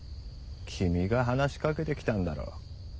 君が話しかけてきたんだろう。